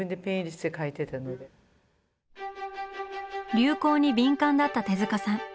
流行に敏感だった手さん。